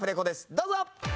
どうぞ！